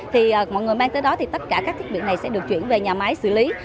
thì mọi người mang tới đó thì tất cả các thiết bị này sẽ được chuyển về nhà máy xử lý